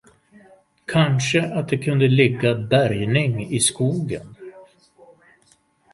Kanske att det kunde ligga bärgning i skogen?